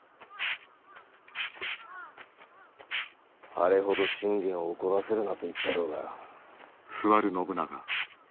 あれほど信玄を怒らせるなと言ったろうが。